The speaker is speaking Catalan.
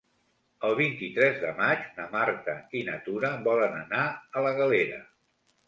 El vint-i-tres de maig na Marta i na Tura volen anar a la Galera.